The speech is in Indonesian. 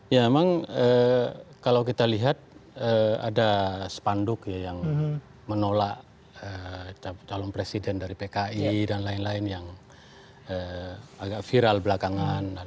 ya memang kalau kita lihat ada spanduk ya yang menolak calon presiden dari pki dan lain lain yang agak viral belakangan